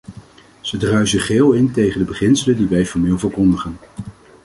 Ze druisen geheel in tegen de beginselen die wij formeel verkondigen.